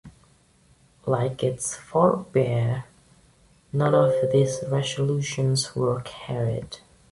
Like its forebear, none of these resolutions were carried.